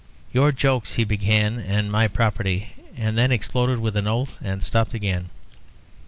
"Your jokes," he began, "and my property " and then exploded with an oath, and stopped again.